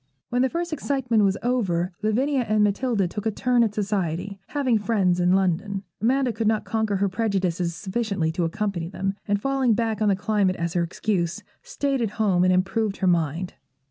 When the first excitement was over, Lavinia and Matilda took a turn at society, having friends in London. Amanda could not conquer her prejudices sufficiently to accompany them, and, falling back on the climate as her excuse, stayed at home and improved her mind.